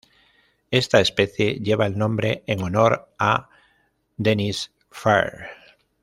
Esta especie lleva el nombre en honor a Denys Firth.